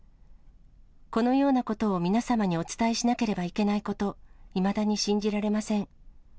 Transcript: このようなことを皆様にお伝えしなければいけないこと、いまだに信じられません。